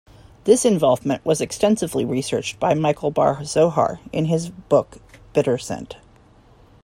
This involvement was extensively researched by Michael Bar-Zohar in his book, "Bitter Scent".